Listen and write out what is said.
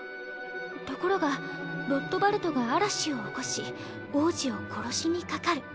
ところがロットバルトが嵐を起こし王子を殺しにかかる。